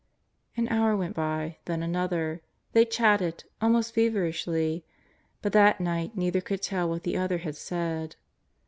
An hour went by; then another. They chatted, almost fever ishly; but that night neither could tell what the other had said.